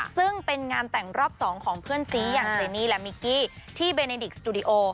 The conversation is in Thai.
ซึ่งเป็นงานแต่งรอบ๒ของเพื่อนซีอย่างเจนี่และมิกกี้ที่เบเนดิกสตูดิโอ